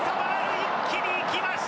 一気に行きました。